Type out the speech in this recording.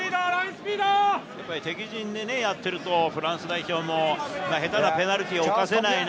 敵陣でやっているとフランス代表も下手なペナルティーをおかせない。